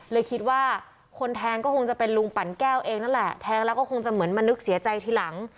เลยคิดว่าคนแทงก็คงจะเป็นลุงปั่นแก้วเองนั่นแหละแทงแล้วก็คงจะเหมือนมานึกเสียใจทีหลัง